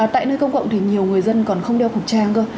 tại nơi công cộng thì nhiều người dân còn không đeo khẩu trang cơ